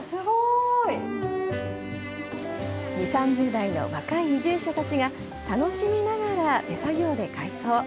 ２、３０代の若い移住者たちが、楽しみながら、手作業で改装。